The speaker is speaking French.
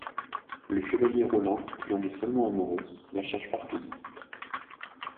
Le chevalier Roland, qui en est follement amoureux, la cherche partout.